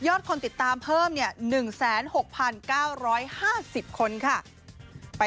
ยอดคนติดตามเพิ่มเนี้ยหนึ่งแซนหกพันสี่ร้อยห้าสิบคนค่ะ